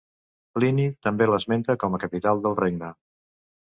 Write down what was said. Plini també l'esmenta com a capital del regne.